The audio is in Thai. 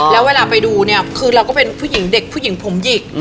แล้วเวลาไปดูเนี่ยคือเราก็เป็นผู้หญิงเด็กผู้หญิงผมหยิก